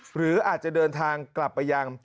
หรืออาจจะเดินทางกลับไปยัง